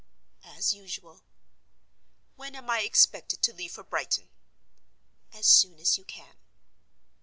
"As usual." "When am I expected to leave for Brighton?" "As soon as you can."